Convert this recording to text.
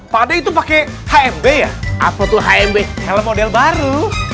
pada itu pakai hmb ya apa tuh hmb model baru